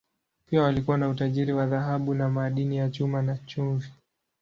Pia walikuwa na utajiri wa dhahabu na madini ya chuma, na chumvi.